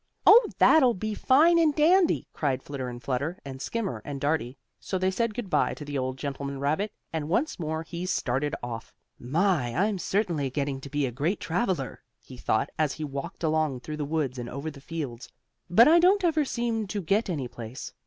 "Oh, that'll be fine and dandy!" cried Flitter and Flutter, and Skimmer and Dartie. So they said good by to the old gentleman rabbit, and once more he started off. "My! I'm certainly getting to be a great traveler," he thought as he walked along through the woods and over the fields. "But I don't ever seem to get to any place.